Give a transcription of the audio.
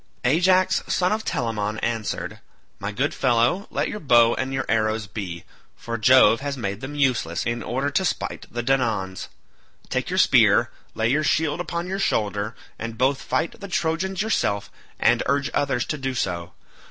Ajax son of Telamon answered, "My good fellow, let your bow and your arrows be, for Jove has made them useless in order to spite the Danaans. Take your spear, lay your shield upon your shoulder, and both fight the Trojans yourself and urge others to do so.